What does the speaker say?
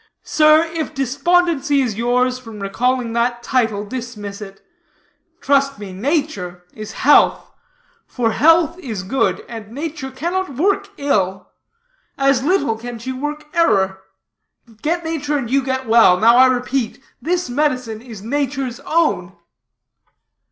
Sir, if despondency is yours from recalling that title, dismiss it. Trust me, nature is health; for health is good, and nature cannot work ill. As little can she work error. Get nature, and you get well. Now, I repeat, this medicine is nature's own."